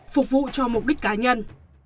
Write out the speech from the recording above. phục vụ cho mục đích cá nhân